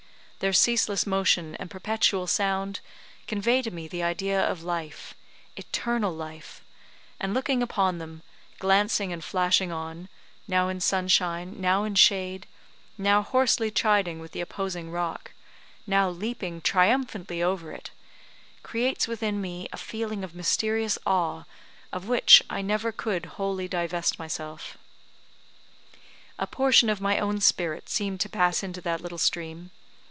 Their ceaseless motion and perpetual sound convey to me the idea of life eternal life; and looking upon them, glancing and flashing on, now in sunshine, now in shade, now hoarsely chiding with the opposing rock, now leaping triumphantly over it, creates within me a feeling of mysterious awe of which I never could wholly divest myself. A portion of my own spirit seemed to pass into that little stream.